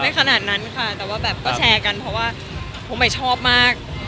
ไม่ค่ะว่าแบบว่าแบบก็แชร์กันเพราะว่าผมใหม่ชอบมาก